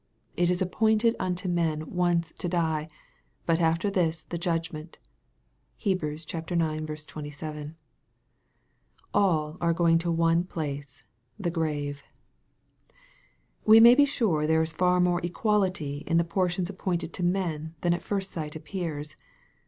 " It is appointed unto men once to die, but after this the judgment." (Heb. ix. 27.) AH are going to one place, the grave. We may be sure there is far more equality in the por tions appointed to men than at first sight appears.